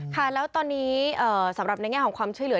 ค่ะแล้วตอนนี้สำหรับในแง่ของความช่วยเหลือ